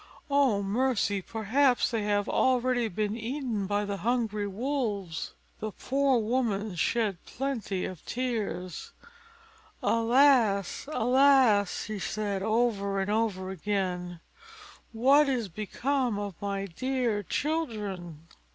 Oh mercy! perhaps they have already been eaten by the hungry wolves!" The poor woman shed plenty of tears: "Alas! alas!" said she, over and over again, "what is become of my dear children?"